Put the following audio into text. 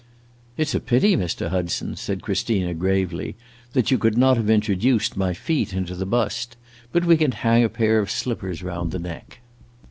"It 's a pity, Mr. Hudson," said Christina, gravely, "that you could not have introduced my feet into the bust. But we can hang a pair of slippers round the neck!"